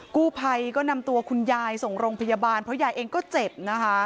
กู้ภัยก็นำตัวคุณยายส่งโรงพยาบาลเพราะยายเองก็เจ็บนะคะ